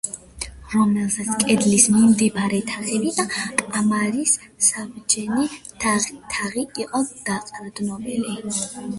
რომელზეც კედლის მიმდებარე თაღები და კამარის საბჯენი თაღი იყო დაყრდნობილი.